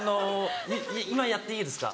今やっていいですか？